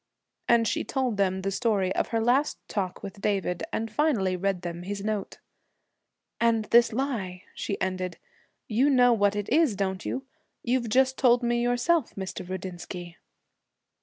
And she told them the story of her last talk with David, and finally read them his note. 'And this lie,' she ended, 'you know what it is, don't you? You've just told me yourself, Mr. Rudinsky.'